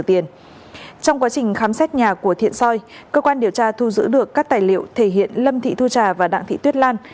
trong quá trình khám xét nhà của thiện soi cơ quan điều tra thu giữ được các tài liệu thể hiện lâm thị thu trà và đặng thị tuyết lan